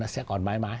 sẽ còn mãi mãi